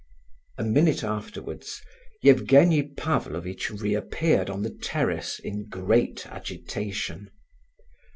A minute afterwards, Evgenie Pavlovitch reappeared on the terrace, in great agitation.